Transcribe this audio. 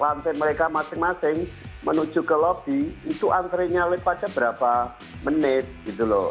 lantai mereka masing masing menuju ke lobby itu antrenya lipatnya berapa menit gitu loh